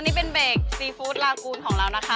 นี่เป็นเบรกซีฟู้ดลากูลของเรานะคะ